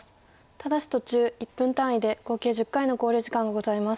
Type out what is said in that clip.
ただし途中１分単位で合計１０回の考慮時間がございます。